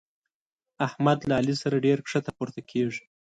احمد له علي سره ډېره کښته پورته کېږي.